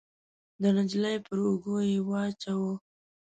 د نجلۍ پر اوږو يې واچاوه.